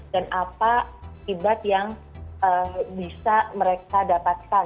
dan apa ibad yang bisa mereka dapatkan